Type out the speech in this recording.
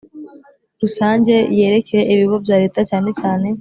rusange yerekeye Ibigo bya Leta cyane cyane